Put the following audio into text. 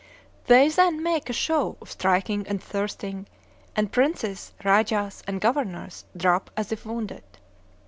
They then make a show of striking and thrusting, and princes, rajahs, and governors drop as if wounded.